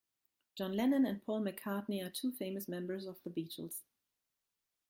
John Lennon and Paul McCartney are two famous members of the Beatles.